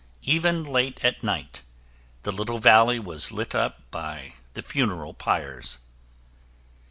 Even late at night, the little valley was lit up by the funeral pyres.